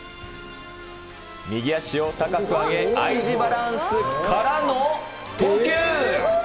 右足を高く上げ、Ｉ字バランスからの投球。